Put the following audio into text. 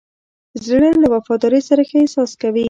زړه له وفادارۍ سره ښه احساس کوي.